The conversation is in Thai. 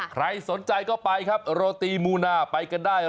ใครสนใจก็ไปครับโรตีมูนาไปกันได้